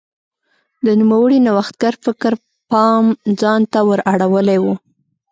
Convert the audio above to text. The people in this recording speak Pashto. د نوموړي نوښتګر فکر پام ځان ته ور اړولی و.